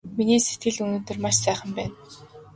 Миний сэтгэл өнөөдөр маш сайхан байна!